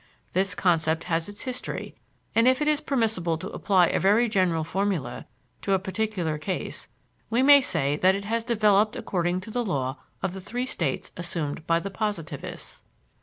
This concept has its history, and if it is permissible to apply a very general formula to a particular case we may say that it has developed according to the law of the three states assumed by the positivists.